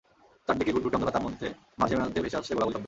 চারদিকে ঘুটঘুটে অন্ধকার, তার মধ্যে মাঝে মধ্যে ভেসে আসছে গোলাগুলির শব্দ।